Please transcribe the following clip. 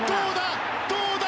どうだ？